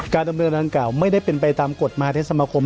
การกระทำดังกล่าวไม่ได้เป็นไปตามกฎมหาเทศสมคม